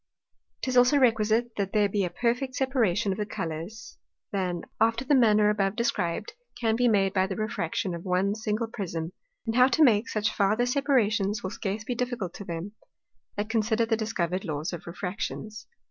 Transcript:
'Tis also requisite, that there be a perfecter separation of the Colours, than, after the manner above described, can be made by the Refraction of one single Prism; and how to make such farther separations, will scarce be difficult to them, that consider the discovered Laws of Refractions.